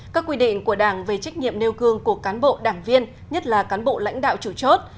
các quy định của đảng về trách nhiệm nêu gương của cán bộ đảng viên nhất là cán bộ lãnh đạo chủ chốt